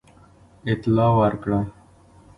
اطلاع ورکړه.